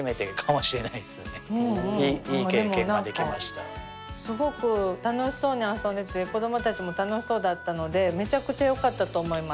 まあはい何かすごく楽しそうに遊んでいて子どもたちも楽しそうだったのでメチャクチャよかったと思います。